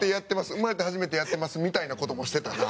「生まれて初めてやってます」みたいな事もしてたな。